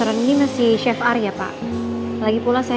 dati ya mas